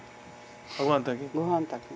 ごはん炊き。